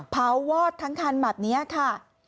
วอดทั้งคันแบบนี้ค่ะ